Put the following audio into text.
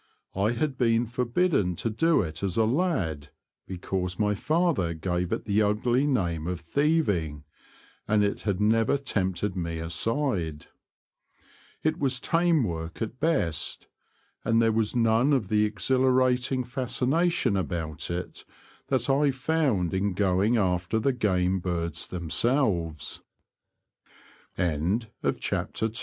I had been forbidden to do it as a lad because my father give it the ugly name of thieving, and it had never tempted me aside. It was tame work at best, and there was none of the exhilarating fascin ation about it that I found in going after the